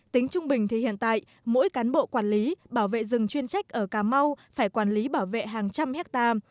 tính trung bình thì hiện tại mỗi cán bộ quản lý bảo vệ rừng chuyên trách ở cà mau phải quản lý bảo vệ hàng trăm hectare